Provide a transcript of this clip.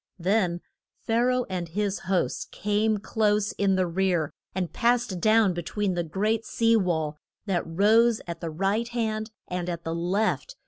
Then Pha ra oh and his hosts came close in the rear, and passed down be tween the great sea wall that rose at the right hand and at the left.